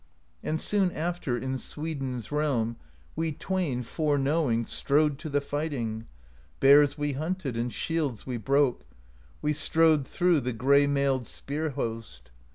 'And soon after In Sweden's realm, We twain fore knowing Strode to the fighting; Bears we hunted, And shields we broke; We strode through The gray mailed spear host.